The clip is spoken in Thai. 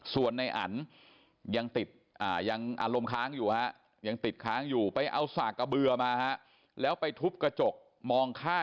ส่วนนายอันยังติดอ่ายังอารมณ์ค้างอยู่ฮะ